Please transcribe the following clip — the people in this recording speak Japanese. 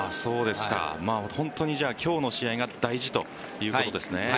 本当に今日の試合が大事ということですね。